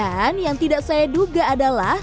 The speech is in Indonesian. dan yang tidak saya duga adalah